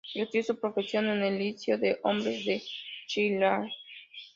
Ejerció su profesión en el Liceo de Hombres de Chillán.